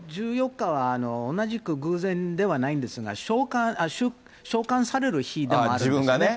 １４日は同じく偶然ではないんですが、しょうかんされる日でもあるんですね。